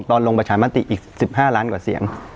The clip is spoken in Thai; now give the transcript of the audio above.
ลงประชามติอีก๑๕ล้านกว่าเสียง